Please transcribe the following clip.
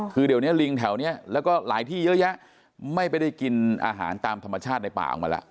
คือเดี๋ยวนี้ลิงแถวนี้แล้วก็หลายที่เยอะแยะไม่ได้กินอาหารตามธรรมชาติในป่าออกมาแล้ว